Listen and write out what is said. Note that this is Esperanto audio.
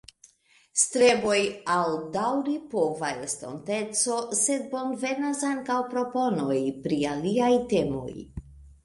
Streboj al daŭripova estonteco, sed bonvenas ankaŭ proponoj pri aliaj temoj.